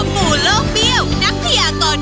ตรงนี้